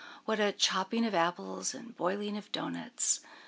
What a chopping of apples and boiling of doughnuts!